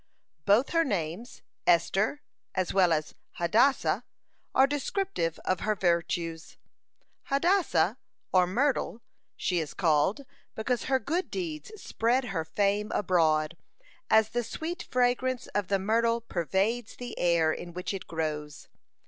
(66) Both her names, Esther as well as Hadassah, are descriptive of her virtues. Hadassah, or Myrtle, she is called, because her good deeds spread her fame abroad, as the sweet fragrance of the myrtle pervades the air in which it grows.